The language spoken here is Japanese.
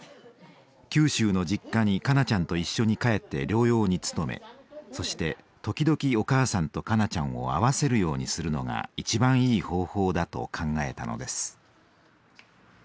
九州の実家に香菜ちゃんと一緒に帰って療養に努めそして時々お母さんと香菜ちゃんを会わせるようにするのが一番いい方法だと考えたのです。